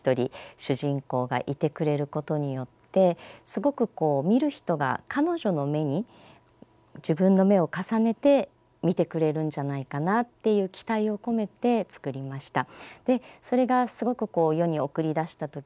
すごくこう見る人が彼女の目に自分の目を重ねて見てくれるんじゃないかなっていう期待を込めて作りました。